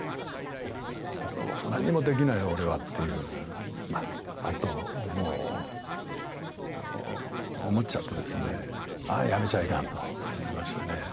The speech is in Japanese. ほかに何もできない、俺はっていうようなことを思っちゃってですね、あぁ、やめちゃいかんと思いましてね。